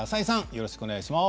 よろしくお願いします。